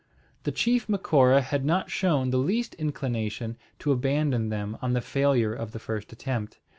The chief Macora had not shown the least inclination to abandon them on the failure of the first attempt.